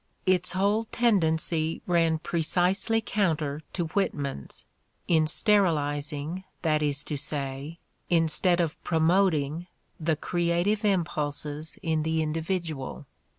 Its whole tendency ran precisely counter to Whitman's, in sterilizing, that is to say, in stead of promoting, the creative impulses in the in dividual.